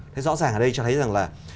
thế rõ ràng ở đây cho thấy rằng là